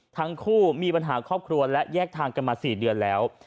ทั้งคู่มีปัญหาครอบครัวและแยกทางกันมา๔เดือนแล้ว